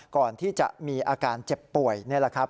ก่อนที่จะมีอาการเจ็บป่วยนี่แหละครับ